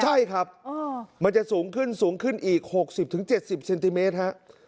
ใช่ครับอ้อมันจะสูงขึ้นสูงขึ้นอีกหกสิบถึงเจ็ดสิบเซนติเมตรฮะ